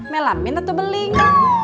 melamin atau beling